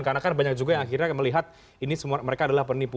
karena kan banyak juga yang akhirnya melihat ini mereka adalah penipu